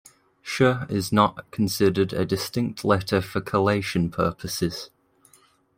"Sh" is not considered a distinct letter for collation purposes.